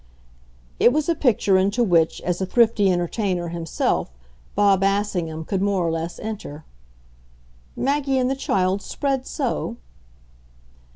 It was a picture into which, as a thrifty entertainer himself, Bob Assingham could more or less enter. "Maggie and the child spread so?"